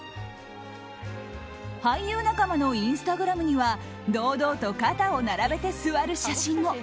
俳優仲間のインスタグラムには堂々と肩を並べて座る写真も。